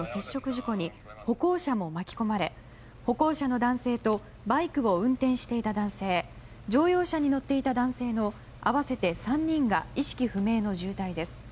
事故に歩行者も巻き込まれ歩行者の男性とバイクを運転していた男性乗用車に乗っていた男性の合わせて３人が意識不明の重体です。